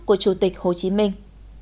của chủ tịch hồ chí minh